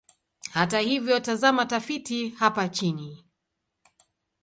Hata hivyo, tazama tafiti hapa chini.